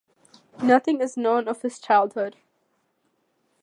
Nothing is known of his childhood.